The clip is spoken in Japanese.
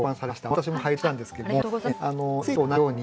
私も拝読したんですけれども。